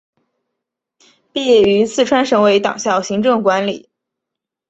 毕业于四川省委党校行政管理。